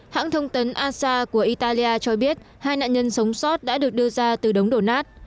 hãng thông tấn asa của italia cho biết hai nạn nhân sống sót đã được đưa ra từ đống đổ nát